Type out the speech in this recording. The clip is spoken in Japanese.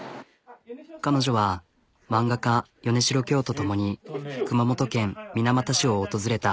彼女は漫画家米代恭と共に熊本県水俣市を訪れた。